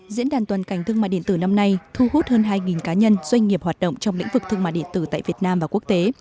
diễn đàn toàn cảnh thương mại điện tử năm nay thu hút hơn hai cá nhân doanh nghiệp hoạt động trong lĩnh vực thương mại điện tử tại việt nam và quốc tế